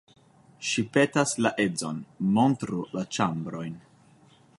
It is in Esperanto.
Ŝi petas la edzon, montru la ĉambrojn.